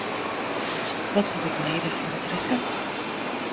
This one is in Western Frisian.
Wat haw ik nedich foar it resept?